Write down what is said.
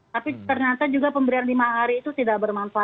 tapi ternyata juga pemberian lima hari itu tidak bermanfaat